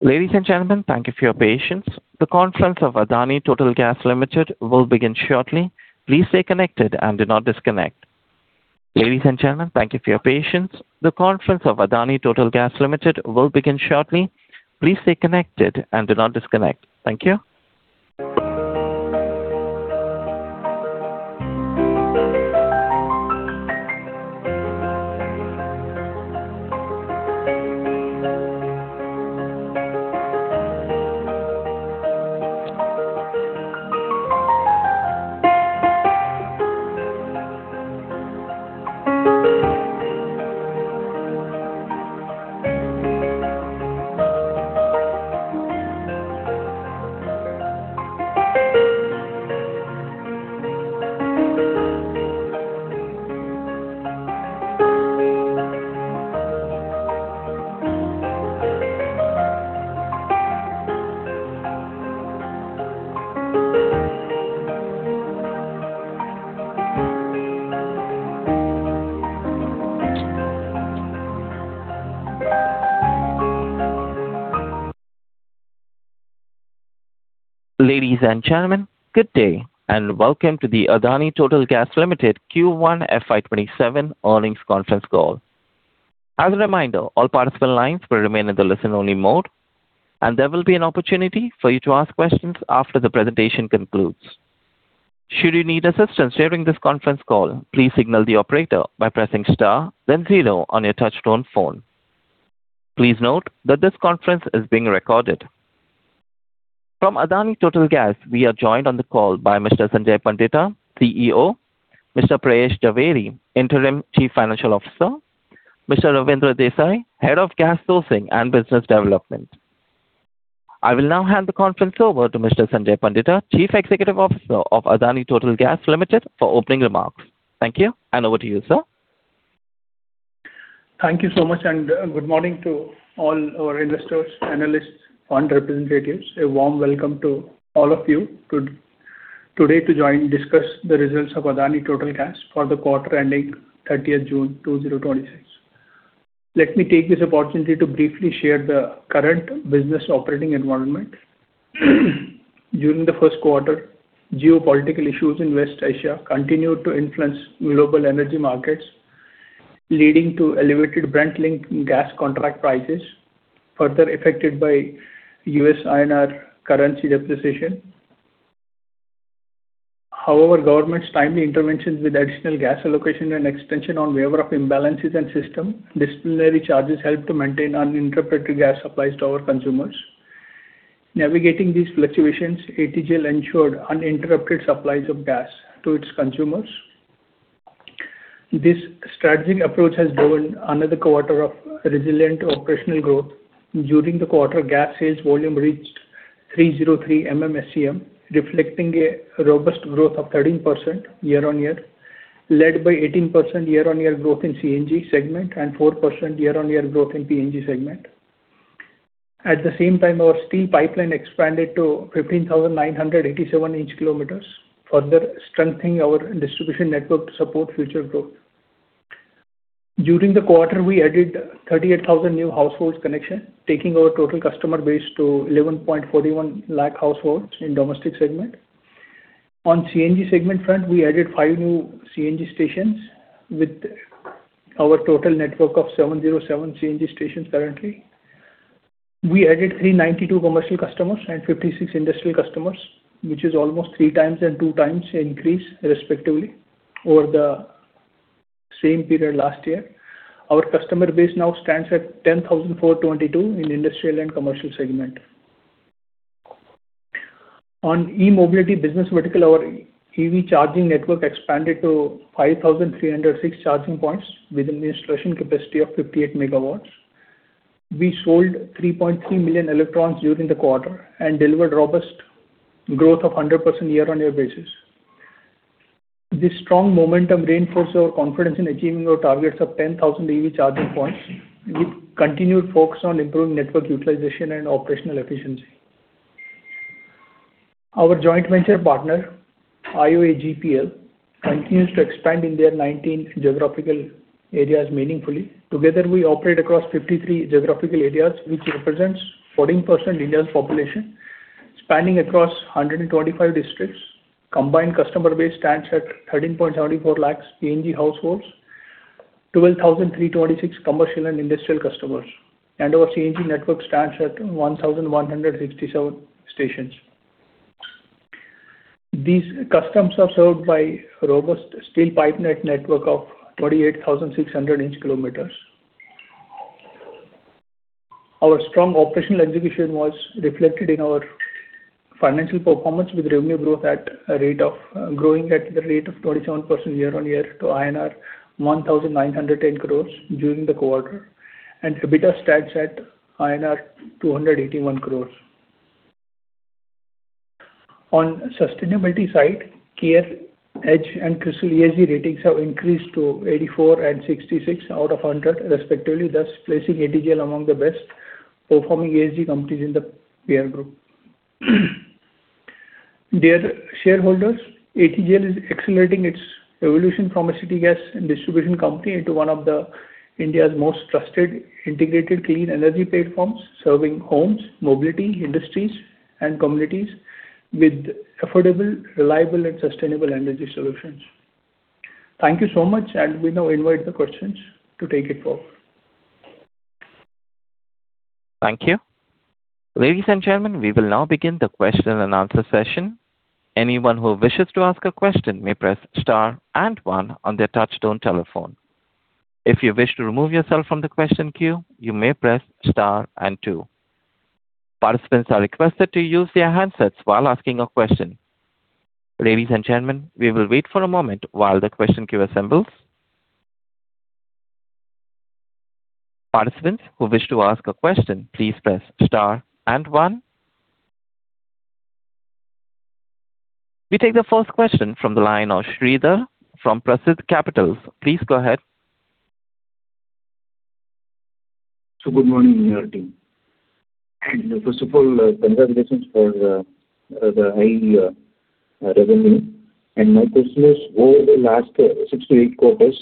Ladies and gentlemen, good day, and welcome to the Adani Total Gas Limited Q1 FY 2027 Earnings Conference Call. As a reminder, all participant lines will remain in the listen-only mode, and there will be an opportunity for you to ask questions after the presentation concludes. Should you need assistance during this conference call, please signal the operator by pressing star then zero on your touchtone phone. Please note that this conference is being recorded. From Adani Total Gas, we are joined on the call by Mr. Sanjay Pandita, CEO, Mr. Preyash Jhaveri, Interim Chief Financial Officer, Mr. Ravindra Desai, Head of Gas Sourcing and Business Development. I will now hand the conference over to Mr. Sanjay Pandita, Chief Executive Officer of Adani Total Gas Limited, for opening remarks. Thank you, and over to you, sir. Thank you so much, and good morning to all our investors, analysts, fund representatives. A warm welcome to all of you today to join and discuss the results of Adani Total Gas for the quarter ending 30th June 2026. Let me take this opportunity to briefly share the current business operating environment. During the first quarter, geopolitical issues in West Asia continued to influence global energy markets, leading to elevated Brent-linked gas contract prices, further affected by U.S. INR currency depreciation. However, government's timely interventions with additional gas allocation and extension on waiver of imbalances and system disciplinary charges helped to maintain uninterrupted gas supplies to our consumers. Navigating these fluctuations, ATGL ensured uninterrupted supplies of gas to its consumers. This strategic approach has driven another quarter of resilient operational growth. During the quarter, gas sales volume reached 303 MMSCM, reflecting a robust growth of 13% year-on-year, led by 18% year-on-year growth in CNG segment and 4% year-on-year growth in PNG segment. At the same time, our steel pipeline expanded to 15,987-inch kilometers, further strengthening our distribution network to support future growth. During the quarter, we added 38,000 new households connection, taking our total customer base to 11.41 lakh households in domestic segment. On CNG segment front, we added five new CNG stations with our total network of 707 CNG stations currently. We added 392 commercial customers and 56 industrial customers, which is almost 3x and 2x increase, respectively, over the same period last year. Our customer base now stands at 10,422 in industrial and commercial segment. On E-mobility business vertical, our EV charging network expanded to 5,306 charging points with an installation capacity of 58 MW. We sold 3.3 million electrons during the quarter and delivered robust growth of 100% year-on-year basis. This strong momentum reinforces our confidence in achieving our targets of 10,000 EV charging points with continued focus on improving network utilization and operational efficiency. Our joint venture partner, IOA GPL, continues to expand in their 19 geographical areas meaningfully. Together, we operate across 53 geographical areas, which represents 14% of India's population, spanning across 125 districts. Combined customer base stands at 13.74 lakh PNG households, 12,326 commercial and industrial customers, and our CNG network stands at 1,167 stations. These customers are served by a robust steel pipe network of 28,600-inch kilometers. Our strong operational execution was reflected in our financial performance, with revenue growing at the rate of 27% year-on-year to INR 1,910 crore during the quarter and EBITDA stands at INR 281 crore. On sustainability side, CareEdge and CRISIL ESG ratings have increased to 84 and 66 out of 100 respectively, thus placing ATGL among the best performing ESG companies in the peer group. Dear shareholders, ATGL is accelerating its evolution from a city gas distribution company into one of India's most trusted integrated clean energy platforms, serving homes, mobility, industries, and communities with affordable, reliable, and sustainable energy solutions. Thank you so much. We now invite the questions to take it forward. Thank you. Ladies and gentlemen, we will now begin the question and answer session. Anyone who wishes to ask a question may press star and one on their touchtone telephone. If you wish to remove yourself from the question queue, you may press star and two. Participants are requested to use their handsets while asking a question. Ladies and gentlemen, we will wait for a moment while the question queue assembles. Participants who wish to ask a question, please press star and one. We take the first question from the line of Sridhar from Parasit Capitals. Please go ahead. Good morning, team. First of all, congratulations for the high revenue. My question is, over the last six to eight quarters,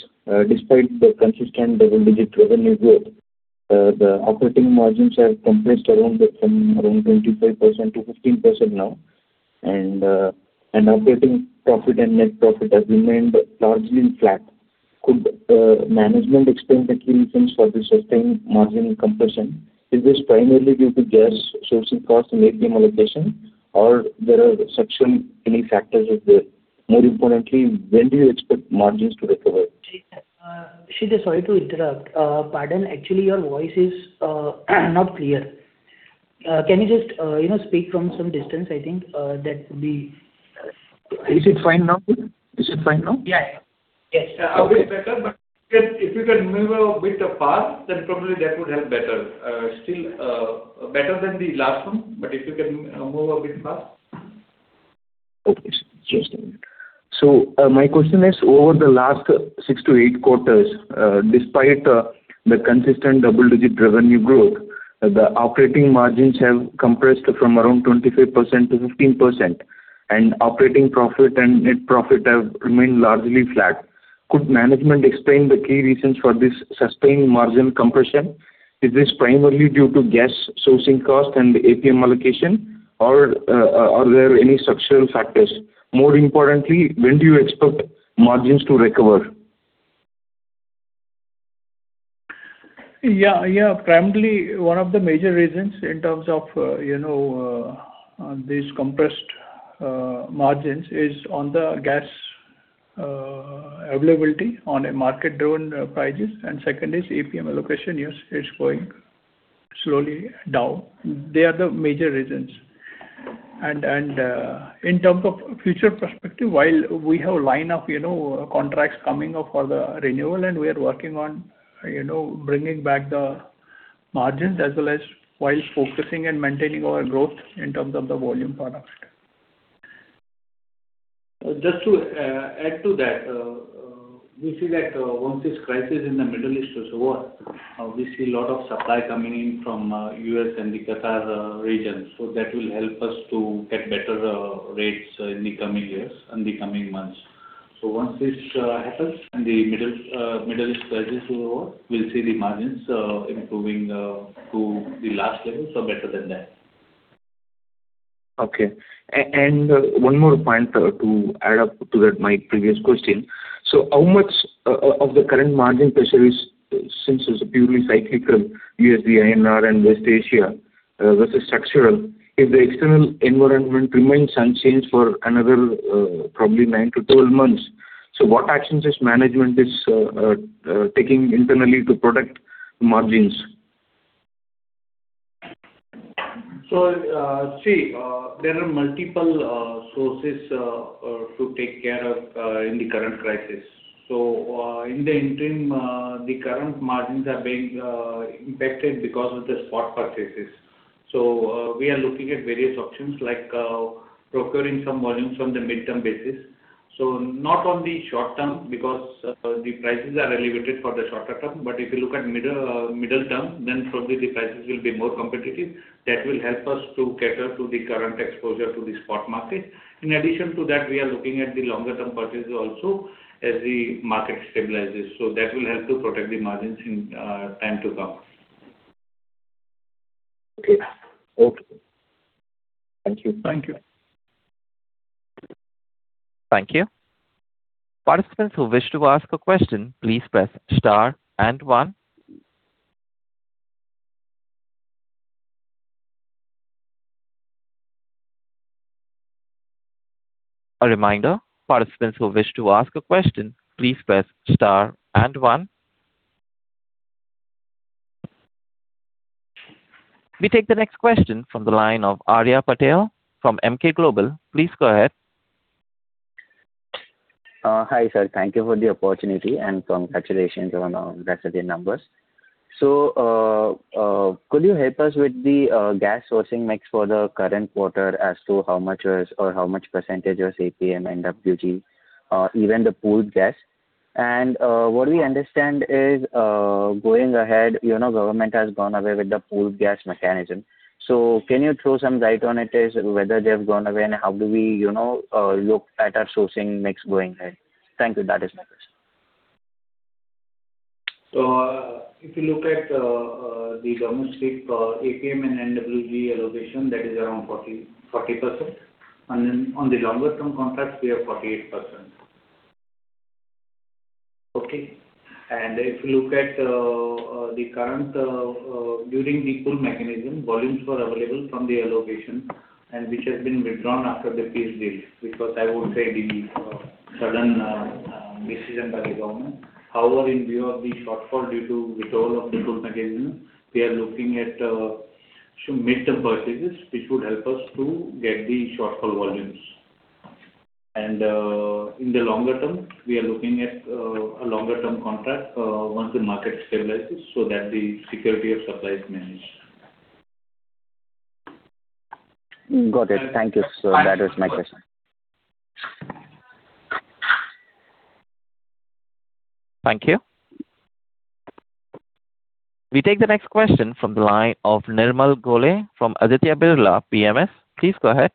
despite the consistent double-digit revenue growth, the operating margins have compressed from around 25%-15% now, and operating profit and net profit have remained largely flat. Could management explain the key reasons for this sustained margin compression? Is this primarily due to gas sourcing costs and APM allocation, or there are structural factors as well? More importantly, when do you expect margins to recover? Sridhar, sorry to interrupt. Pardon, actually, your voice is not clear. Can you just speak from some distance? I think that would be-- Is it fine now? Yeah. Yes. A bit better, but if you can move a bit afar, then probably that would help better. Still better than the last one, but if you can move a bit afar. Okay. Just a minute. My question is, over the last six-eight quarters, despite the consistent double-digit revenue growth, the operating margins have compressed from around 25%-15%, and operating profit and net profit have remained largely flat. Could management explain the key reasons for this sustained margin compression? Is this primarily due to gas sourcing cost and APM allocation, or are there any structural factors? More importantly, when do you expect margins to recover? Primarily, one of the major reasons in terms of these compressed margins is on the gas availability on market-driven prices. Second is APM allocation, yes, it's going slowly down. They are the major reasons. In terms of future perspective, while we have a line of contracts coming up for the renewal and we are working on bringing back the margins as well as while focusing and maintaining our growth in terms of the volume part of it. Just to add to that, we see that once this crisis in the Middle East is over, we see a lot of supply coming in from U.S. and the Qatar region. That will help us to get better rates in the coming years and the coming months. Once this happens and the Middle East crisis is over, we'll see the margins improving to the last levels or better than that. Okay. One more point to add up to my previous question. How much of the current margin pressure is purely cyclical, USD/INR and West Asia versus structural, if the external environment remains unchanged for another probably 9-12 months. What actions is management taking internally to protect margins? See, there are multiple sources to take care of in the current crisis. In the interim, the current margins are being impacted because of the spot purchases. We are looking at various options like procuring some volumes on the midterm basis. Not on the short term, because the prices are elevated for the shorter term. If you look at middle term, then probably the prices will be more competitive. That will help us to cater to the current exposure to the spot market. In addition to that, we are looking at the longer-term purchases also as the market stabilizes. That will help to protect the margins in time to come. Okay. Thank you. Thank you. Thank you. Participants who wish to ask a question, please press star and one. A reminder, participants who wish to ask a question, please press star and one. We take the next question from the line of Arya Patel from Emkay Global. Please go ahead. Hi, sir. Thank you for the opportunity, and congratulations on yesterday's numbers. Could you help us with the gas sourcing mix for the current quarter as to how much percentage was APM, NWG, even the pooled gas? What we understand is, going ahead, government has gone away with the pooled gas mechanism. Can you throw some light on it as whether they have gone away and how do we look at our sourcing mix going ahead? Thank you. That is my question. If you look at the domestic APM and NWG allocation, that is around 40%. Then on the longer-term contracts, we have 48%. Okay. If you look at the current, during the pool mechanism, volumes were available from the allocation, and which has been withdrawn after the peace deal, because I would say the sudden decision by the government. However, in view of the shortfall due to withdrawal of the pool mechanism, we are looking at some midterm purchases which would help us to get the shortfall volumes. In the longer term, we are looking at a longer-term contract once the market stabilizes so that the security of supply is managed. Got it. Thank you, sir. That is my question. Thank you. We take the next question from the line of Nirmal Gore from Aditya Birla PMS. Please go ahead.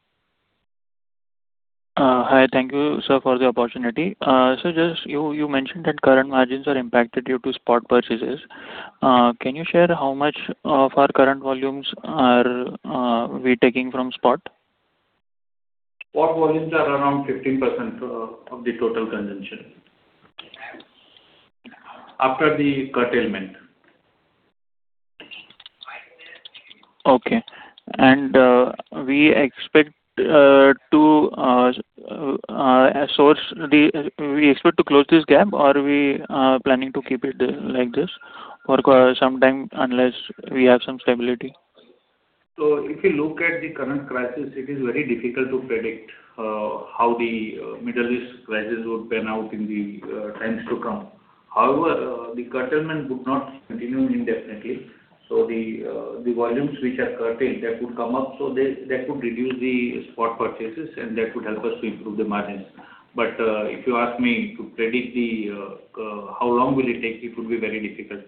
Hi, thank you, sir, for the opportunity. Sir, you mentioned that current margins are impacted due to spot purchases. Can you share how much of our current volumes are we taking from spot? Spot volumes are around 15% of the total consumption after the curtailment. Okay. We expect to close this gap or we are planning to keep it like this for some time unless we have some stability? If you look at the current crisis, it is very difficult to predict how the Middle East crisis would pan out in the times to come. However, the curtailment would not continue indefinitely. The volumes which are curtailed, that would come up, so that would reduce the spot purchases and that would help us to improve the margins. If you ask me to predict how long will it take, it would be very difficult.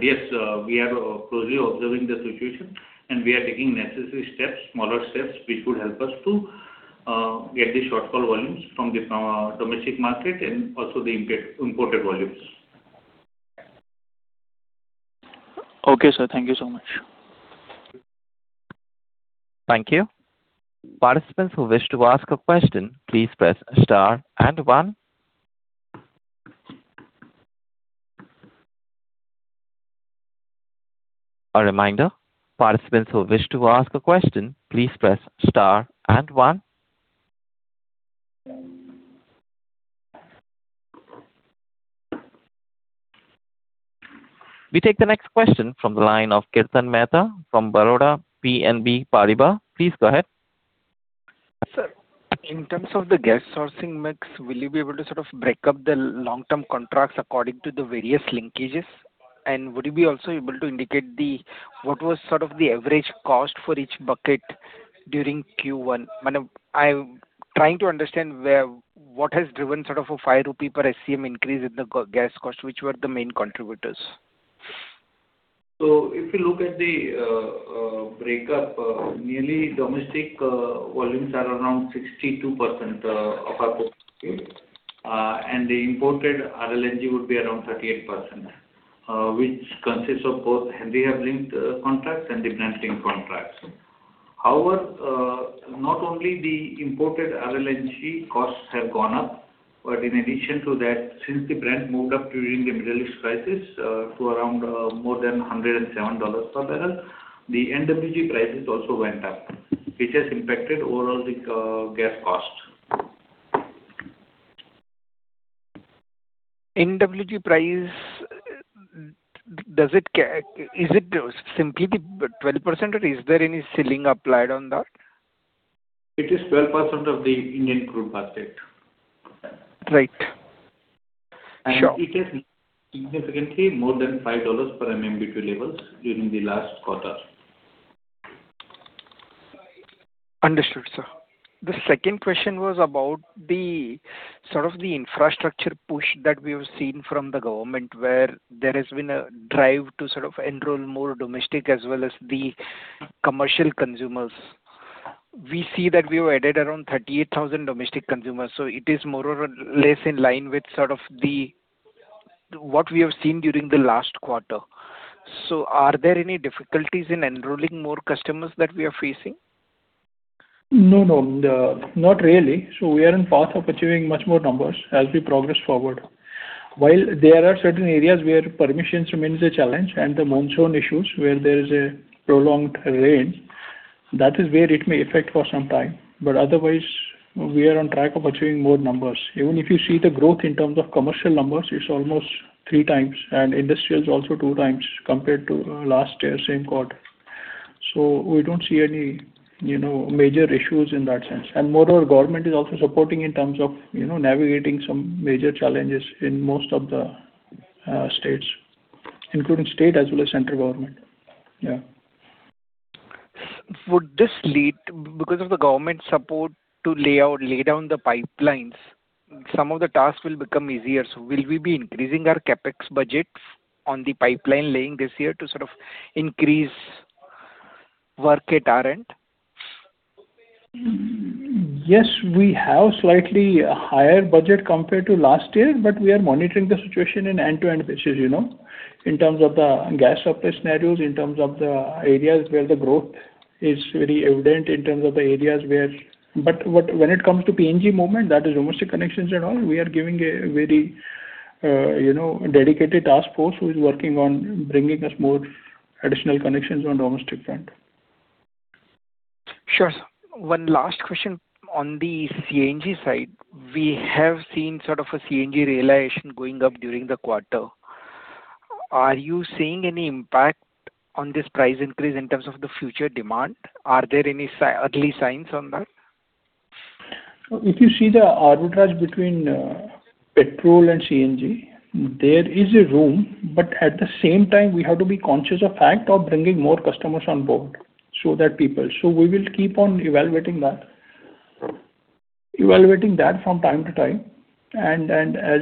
Yes, we are closely observing the situation and we are taking necessary steps, smaller steps, which would help us to get the shortfall volumes from the domestic market and also the imported volumes. Okay, sir. Thank you so much. Thank you. Participants who wish to ask a question, please press star and one. A reminder, participants who wish to ask a question, please press star and one. We take the next question from the line of Kirtan Mehta from Baroda BNP Paribas. Please go ahead. Sir, in terms of the gas sourcing mix, will you be able to break up the long-term contracts according to the various linkages? Would you be also able to indicate what was the average cost for each bucket during Q1? I'm trying to understand what has driven a 5 rupee per SCM increase in the gas cost, which were the main contributors. If you look at the breakup, nearly domestic volumes are around 62% of our portfolio, and the imported RLNG would be around 38%, which consists of both Henry Hub-linked contracts and the Brent-linked contracts. Not only the imported RLNG costs have gone up, but in addition to that, since the Brent moved up during the Middle East crisis to around more than INR 107 per barrel, the NWG prices also went up, which has impacted overall the gas cost. NWG price, is it simply the 12% or is there any ceiling applied on that? It is 12% of the Indian Crude Basket. Right. Sure. It is significantly more than $5 per MMBtu levels during the last quarter. Understood, sir. The second question was about the infrastructure push that we have seen from the government, where there has been a drive to enroll more domestic as well as the commercial consumers. We see that we have added around 38,000 domestic consumers, so it is more or less in line with what we have seen during the last quarter. Are there any difficulties in enrolling more customers that we are facing? No, not really. We are on path of achieving much more numbers as we progress forward. While there are certain areas where permissions remains a challenge and the monsoon issues where there is a prolonged rain, that is where it may affect for some time. Otherwise, we are on track of achieving more numbers. Even if you see the growth in terms of commercial numbers, it's almost 3x, and industrial is also 2x compared to last year same quarter. We don't see any major issues in that sense. Moreover, government is also supporting in terms of navigating some major challenges in most of the states, including state as well as central government. Would this lead, because of the government support to lay down the pipelines, some of the tasks will become easier. Will we be increasing our CapEx budgets on the pipeline laying this year to sort of increase work at our end? Yes, we have slightly a higher budget compared to last year, but we are monitoring the situation in end-to-end basis, in terms of the gas supply scenarios, in terms of the areas where the growth is very evident. When it comes to PNG movement, that is domestic connections and all, we are giving a very dedicated task force who is working on bringing us more additional connections on domestic front. Sure, sir. One last question on the CNG side, we have seen sort of a CNG realization going up during the quarter. Are you seeing any impact on this price increase in terms of the future demand? Are there any early signs on that? If you see the arbitrage between petrol and CNG, there is a room, but at the same time, we have to be conscious of fact of bringing more customers on board, so that people. We will keep on evaluating that from time to time. As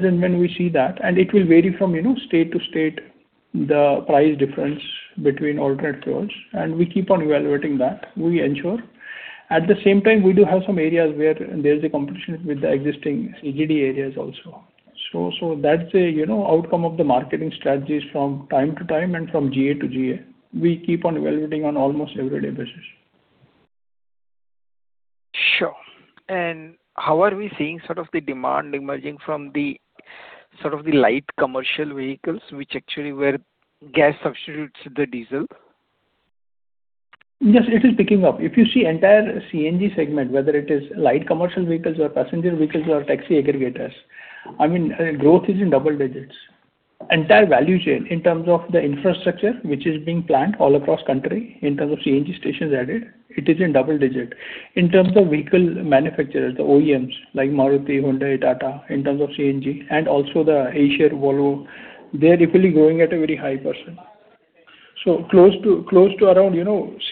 and when we see that, it will vary from state to state, the price difference between alternate fuels. We keep on evaluating that. We ensure. At the same time, we do have some areas where there's a competition with the existing CGD areas also. That's an outcome of the marketing strategies from time to time and from GA to GA. We keep on evaluating on almost every day basis. Sure. How are we seeing the demand emerging from the light commercial vehicles, which actually where gas substitutes the diesel? Yes, it is picking up. If you see entire CNG segment, whether it is light commercial vehicles or passenger vehicles or taxi aggregators, growth is in double digits. Entire value chain in terms of the infrastructure, which is being planned all across country, in terms of CNG stations added, it is in double digit. In terms of vehicle manufacturers, the OEMs like Maruti, Honda, Tata, in terms of CNG, and also the Eicher, Volvo, they are equally growing at a very high percent. Close to around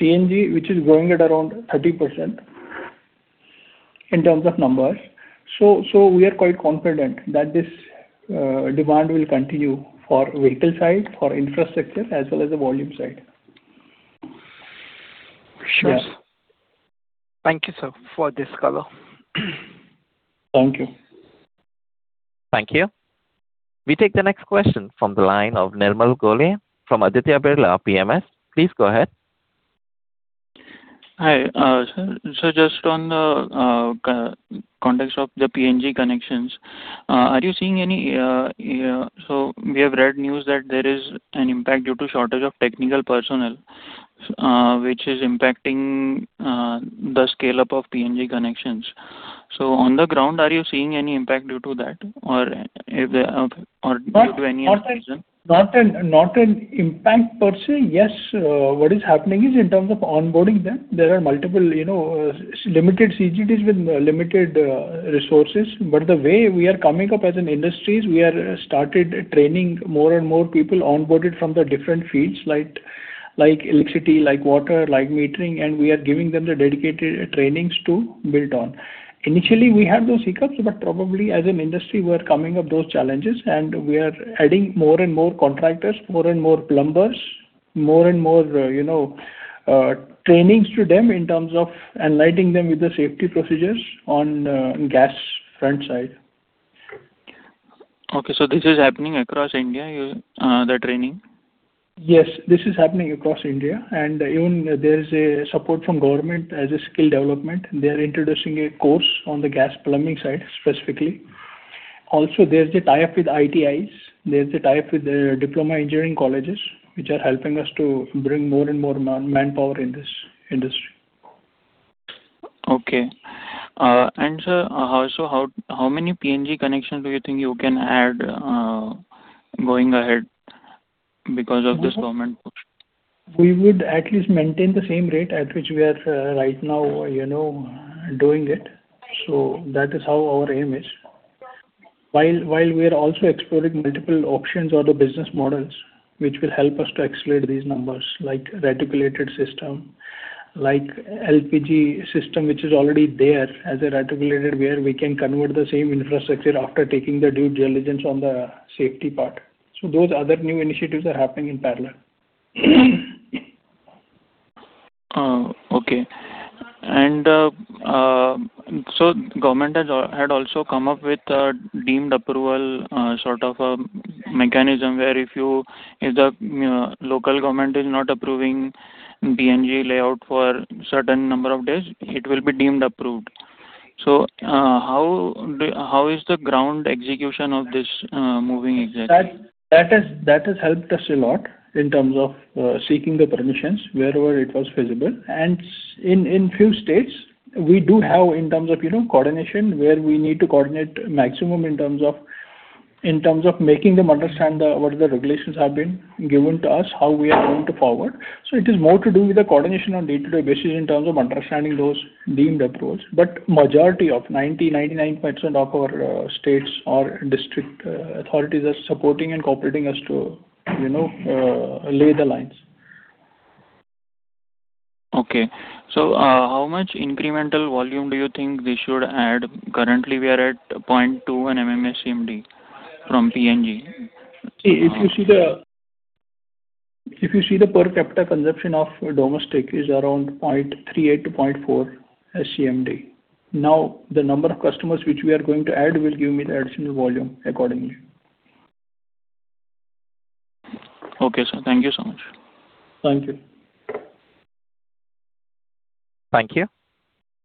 CNG, which is growing at around 30% in terms of numbers. We are quite confident that this demand will continue for vehicle side, for infrastructure, as well as the volume side. Sure. Thank you, sir, for this color. Thank you. Thank you. We take the next question from the line of Nirmal Gore from Aditya Birla PMS. Please go ahead. Hi. Just on the context of the PNG connections. We have read news that there is an impact due to shortage of technical personnel, which is impacting the scale-up of PNG connections. On the ground, are you seeing any impact due to that or due to any other reason? Not an impact per se. What is happening is in terms of onboarding them, there are multiple limited CGDs with limited resources. The way we are coming up as an industry is we are started training more and more people onboarded from the different fields like electricity, like water, like metering, we are giving them the dedicated trainings to build on. Initially, we had those hiccups, probably as an industry, we're coming up those challenges, we are adding more and more contractors, more and more plumbers, more and more trainings to them in terms of enlightening them with the safety procedures on gas front side. This is happening across India, the training? This is happening across India, even there is a support from government as a skill development. They're introducing a course on the gas plumbing side specifically. There's the tie-up with ITIs, there's the tie-up with the diploma engineering colleges, which are helping us to bring more and more manpower in this industry. Sir, how many PNG connections do you think you can add going ahead because of this government push? We would at least maintain the same rate at which we are right now doing it. That is how our aim is. While we are also exploring multiple options or the business models, which will help us to accelerate these numbers like reticulated system, like LPG system, which is already there as a reticulated where we can convert the same infrastructure after taking the due diligence on the safety part. Those other new initiatives are happening in parallel. Okay. Government had also come up with a deemed approval sort of a mechanism where if the local government is not approving PNG layout for certain number of days, it will be deemed approved. How is the ground execution of this moving exactly? That has helped us a lot in terms of seeking the permissions wherever it was feasible. In few states, we do have in terms of coordination, where we need to coordinate maximum in terms of making them understand what the regulations have been given to us, how we are going to forward. It is more to do with the coordination on day-to-day basis in terms of understanding those deemed approvals. Majority of 90%, 99% of our states or district authorities are supporting and cooperating us to lay the lines. Okay. How much incremental volume do you think we should add? Currently, we are at 0.2 an MMSCMD from PNG. If you see the per capita consumption of domestic is around 0.38 to 0.4 SCMD. The number of customers which we are going to add will give me the additional volume accordingly. Okay, sir. Thank you so much. Thank you. Thank you.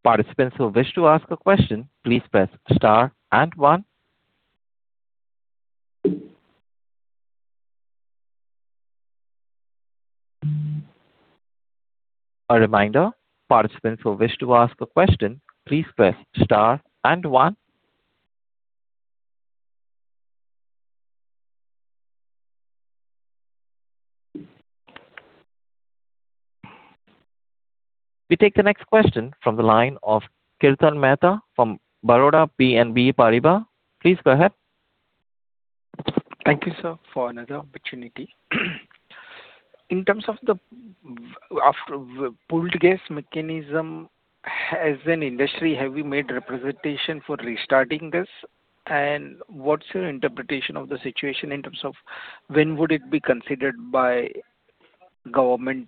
Participants who wish to ask a question, please press star and one. A reminder, participants who wish to ask a question, please press star and one. We take the next question from the line of Kirtan Mehta from Baroda BNP Paribas. Please go ahead. Thank you, sir, for another opportunity. In terms of the pooled gas mechanism, as an industry, have we made representation for restarting this? What's your interpretation of the situation in terms of when would it be considered by Government?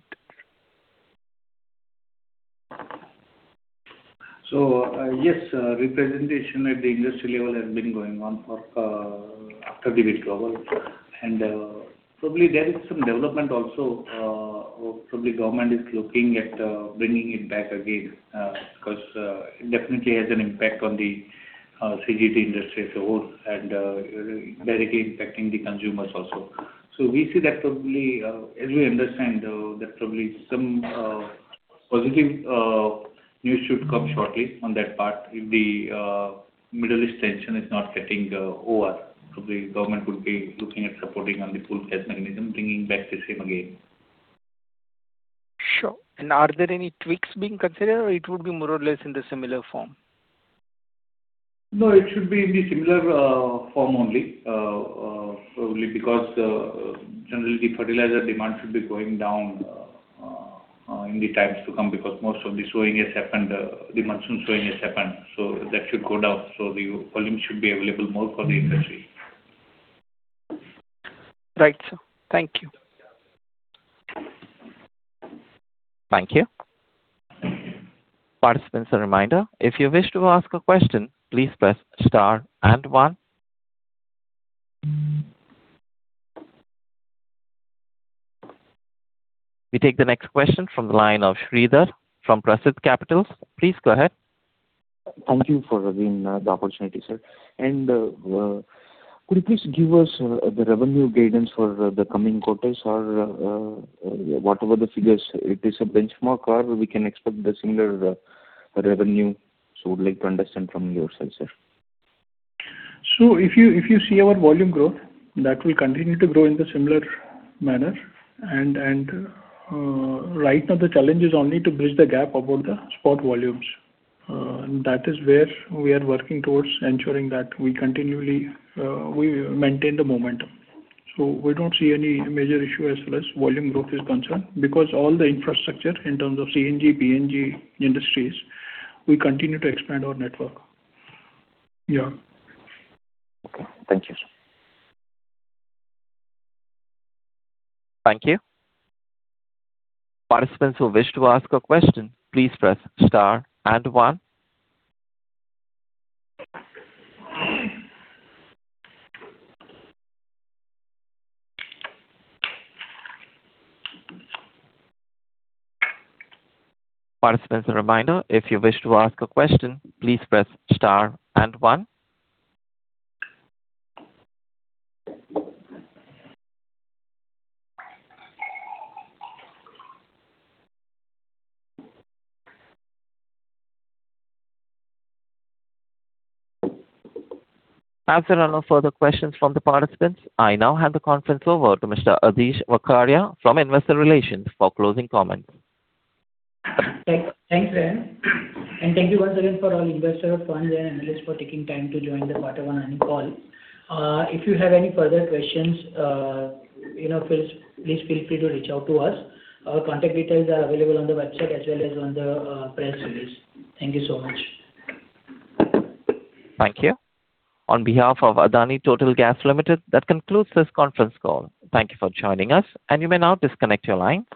Yes, representation at the industry level has been going on after the withdrawal. Probably there is some development also. Probably Government is looking at bringing it back again, because it definitely has an impact on the CGD industry as a whole, and directly impacting the consumers also. We see that as we understand, that probably some positive news should come shortly on that part if the Middle East tension is not getting over. Probably Government would be looking at supporting on the pooled gas mechanism, bringing back the same again. Sure. Are there any tweaks being considered or it would be more or less in the similar form? No, it should be in the similar form only, probably because generally the fertilizer demand should be going down in the times to come, because most of the sowing has happened, the monsoon sowing has happened, that should go down. The volume should be available more for the industry. Right, sir. Thank you. Thank you. Participants, a reminder. If you wish to ask a question, please press star and one. We take the next question from the line of Sridhar from Parasit Capitals. Please go ahead. Thank you for again the opportunity, sir. Could you please give us the revenue guidance for the coming quarters or whatever the figures, it is a benchmark or we can expect the similar revenue. Would like to understand from yourself, sir. If you see our volume growth, that will continue to grow in the similar manner. Right now the challenge is only to bridge the gap about the spot volumes. That is where we are working towards ensuring that we continually maintain the momentum. We don't see any major issue as far as volume growth is concerned, because all the infrastructure in terms of CNG, PNG industries, we continue to expand our network. Okay. Thank you, sir. Thank you. Participants who wish to ask a question, please press star and one. Participants, a reminder. If you wish to ask a question, please press star and one. As there are no further questions from the participants, I now hand the conference over to Mr. Adish Vakharia from Investor Relations for closing comments. Thanks, Ryan. Thank you once again for all investors, clients, and analysts for taking time to join the quarter one earning call. If you have any further questions, please feel free to reach out to us. Our contact details are available on the website as well as on the press release. Thank you so much. Thank you. On behalf of Adani Total Gas Limited, that concludes this conference call. Thank you for joining us, and you may now disconnect your line.